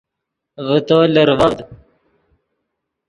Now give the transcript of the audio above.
ڤے تو لرڤڤد